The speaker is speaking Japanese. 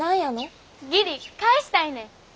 義理返したいねん。